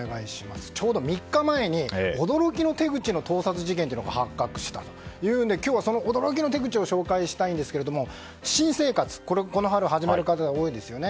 ちょうど３日前に驚きの手口の盗撮事件が発覚したというので今日は、その驚きの手口を紹介したいんですが新生活、この春始まる方が多いですよね。